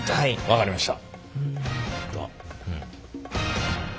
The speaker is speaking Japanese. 分かりました。